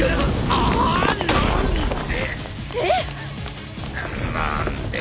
あっ何で！？